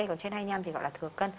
còn trên hai mươi năm thì gọi là thừa cân